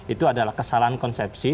itu adalah kesalahan konsepsi